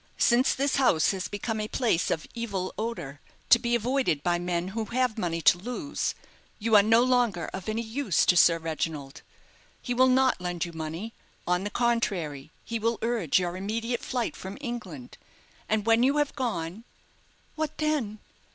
Since this house has become a place of evil odour, to be avoided by men who have money to lose, you are no longer of any use to Sir Reginald. He will not lend you money. On the contrary he will urge your immediate flight from England; and when you have gone " "What then?"